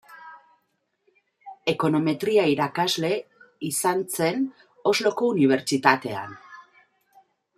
Ekonometria-irakasle izan zen Osloko Unibertsitatean.